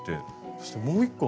そしてもう１個。